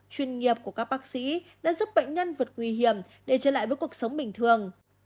chuyên nghiệp của các bác sĩ đã giúp bệnh nhân vượt nguy hiểm để trở lại với cuộc sống bình thường